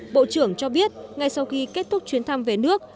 bộ trưởng cho biết ngay sau khi kết thúc chuyến thăm về nước